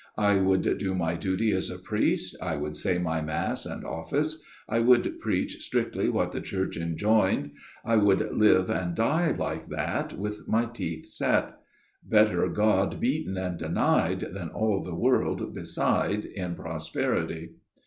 I would do my duty as a priest ; I would say my Mass and office ; I would preach strictly what the Church enjoined ; I would live and die like that, with my teeth set. Better God beaten and denied, than all the world beside in prosperity